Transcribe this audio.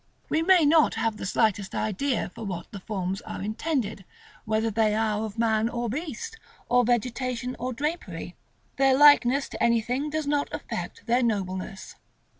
We may not have the slightest idea for what the forms are intended, whether they are of man or beast, of vegetation or drapery. Their likeness to anything does not affect their nobleness.